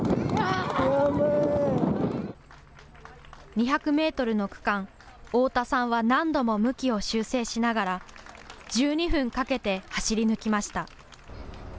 ２００メートルの区間、太田さんは何度も向きを修正しながら１２分かけて走り抜きました。